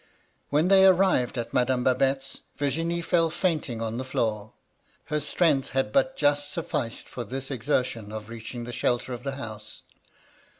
When they arrived at Madame Babette's, Vir^nie fell fainting on the floor ; her strength had but just sufficed for this exertion of reaching the ^shelter of the house.